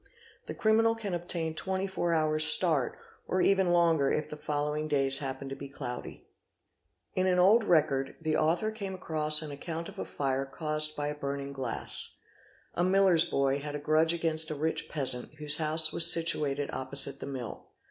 the criminal can obtain 24 hours start, or even longer if the following days happen to be cloudy. 852 _ ARSON In an old record, the author came across on account of a fire caused by a burning glass. A miller's boy had a grudge against a rich peasant, whose house was situated opposite the mill.